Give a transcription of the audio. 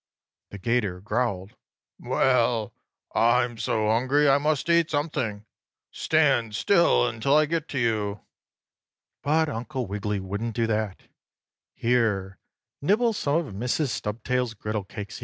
The 'Gator growled: "Well, I'm so hungry I must eat something! Stand still until I get you!" But Uncle Wiggily wouldn't do that. "Here, nibble some of Mrs. Stubtail's griddle cakes!"